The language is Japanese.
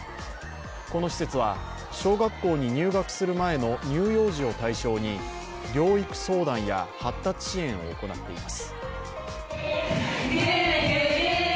この施設は小学校に入学する前の乳幼児を対象に療育相談や発達支援を行っています。